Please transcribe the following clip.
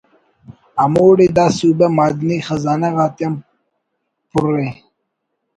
ہموڑے دا صوبہ معدنی خزانہ غاتیان پرءِ